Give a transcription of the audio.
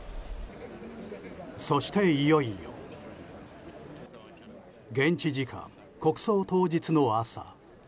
そして、いよいよ現地時間、国葬当日の朝。